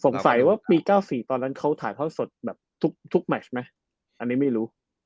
สงสัยว่าปี๙๔ตอนนั้นเขาถ่ายทอดสดแบบทุกแมชไหมอันนี้ไม่รู้